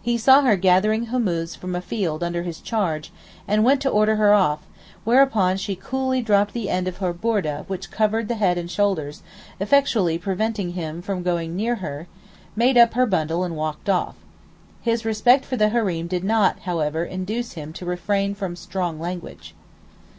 He saw her gathering hummuz from a field under his charge, and went to order her off, whereupon she coolly dropped the end of her boordeh which covered the head and shoulders, effectually preventing him from going near her; made up her bundle and walked off. His respect for the Hareem did not, however, induce him to refrain from strong language.